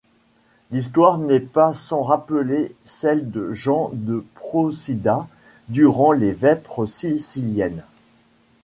L'histoire n'est pas sans rapeller celle de Jean de Procida durant les Vêpres siciliennes.